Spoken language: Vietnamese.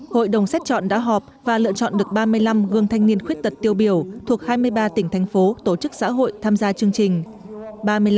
hội đồng xét chọn đã họp và lựa chọn được ba mươi năm gương thanh niên khuyết tật tiêu biểu thuộc hai mươi ba tỉnh thành phố tổ chức xã hội tham gia chương trình